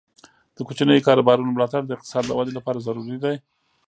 د کوچنیو کاروبارونو ملاتړ د اقتصاد د ودې لپاره ضروري دی.